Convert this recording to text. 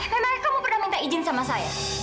memang kamu pernah minta izin sama saya